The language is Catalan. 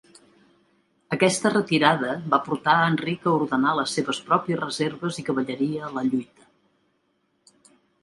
Aquesta retirada va portar a Enric a ordenar les seves pròpies reserves i cavalleria a la lluita.